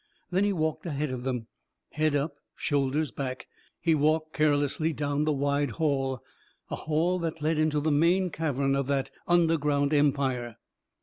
Then he walked ahead of them. Head up, shoulders back, he walked carelessly down the wide hall a hall that led into the main cavern of that underground empire.